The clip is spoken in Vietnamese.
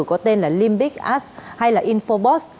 có tên là limbic ads hay là infobox